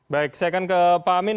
baik saya akan ke pak amin